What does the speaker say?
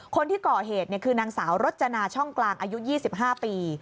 คนที่ก่อเหตุคือนางสาวรจนาช่องกลางอายุ๒๕ปี